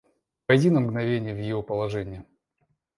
Войди на мгновение в ее положение.